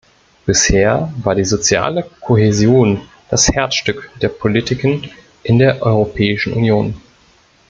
Bisher war die soziale Kohäsion das Herzstück der Politiken in der Europäischen Union.